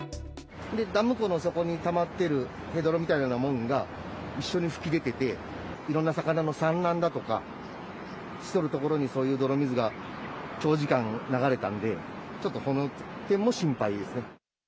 ダム湖の底にたまってるヘドロみたいなもんが、一緒に噴き出てて、いろんな魚の産卵だとかしとる所に、そういう泥水が長時間流れたんで、ちょっとこの点も心配ですね。